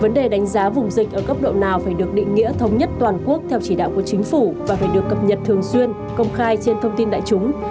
vấn đề đánh giá vùng dịch ở cấp độ nào phải được định nghĩa thống nhất toàn quốc theo chỉ đạo của chính phủ và phải được cập nhật thường xuyên công khai trên thông tin đại chúng